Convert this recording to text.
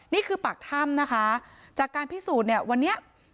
นี่คือปากถ้ำนะคะจากการพิสูจน์เนี่ยวันนี้